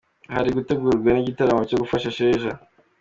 Hari gutegurwa n’igitaramo cyo gufasha Sheja.